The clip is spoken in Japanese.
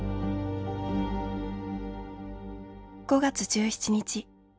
「５月１７日。